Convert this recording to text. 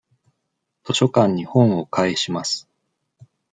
図書館に本を返します。